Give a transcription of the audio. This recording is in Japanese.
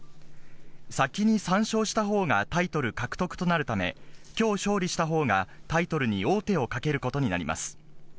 先に３勝したほうがタイトル獲得となるため、きょう勝利したほうがタイトルに王手をかけることになります。